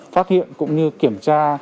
phát hiện cũng như kiểm tra